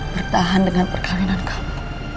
bertahan dengan perkahwinan kamu